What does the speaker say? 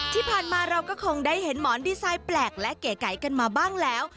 ที่ผ่านมาเราก็คงได้เห็นหมอนดีไซน์แปลกและเก๋ไก่กันมาบ้างแล้ว